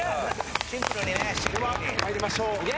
では参りましょう。